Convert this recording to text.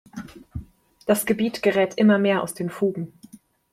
Das Gebiet gerät immer mehr aus den Fugen.